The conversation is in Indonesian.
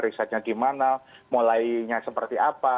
risetnya di mana mulainya seperti apa